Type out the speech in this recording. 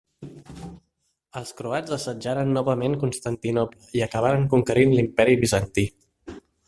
Els croats assetjaren novament Constantinoble i acabaren conquerint l'Imperi Bizantí.